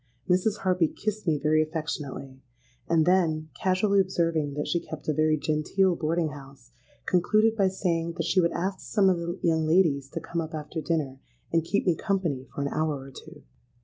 Mrs. Harpy kissed me very affectionately; and then, casually observing that she kept a very genteel boarding house, concluded by saying that she would ask some of the young ladies to come up after dinner and keep me company for an hour or two.